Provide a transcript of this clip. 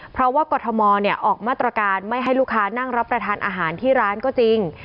เพราะว่ากรทมออกมาตรการไม่ให้ลูกค้านั่งรับประทานอาหารที่ร้านก็จริง